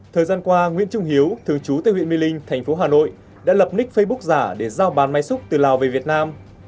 thời gian qua nguyễn trung hiếu thường trú tại huyện mê linh thành phố hà nội đã lập nick facebook giả để giao bán máy xúc từ lào về việt nam